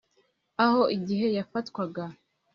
aho igihe yafatwaga